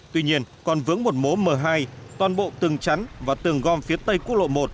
tuy nhiên còn vướng một mố m hai toàn bộ từng trắn và từng gom phía tây quốc lộ một